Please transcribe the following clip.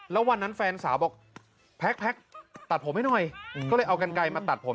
แล้ววันนั้นแฟนสาวบอกแพ็คตัดผมให้หน่อยก็เลยเอากันไกลมาตัดผม